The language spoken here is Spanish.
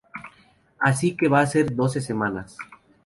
Así que va a ser doce semanas.